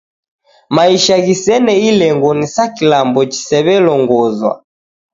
Maisha ghisene ilengo ni sa kilambo chisew'elongozwa.